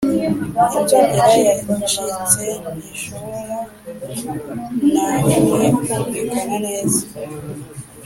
inzogera yacitse ntishobora na rimwe kumvikana neza.